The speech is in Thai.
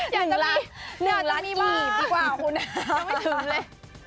อยากจะมี๑ล้านกี่บีกว่าของคุณนะยังไม่ถึงเลย